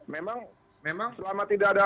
memang selama tidak ada